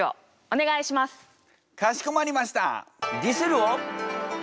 かしこまりました！